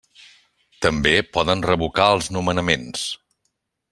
També poden revocar els nomenaments.